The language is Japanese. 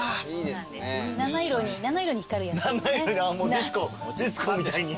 ディスコみたいに。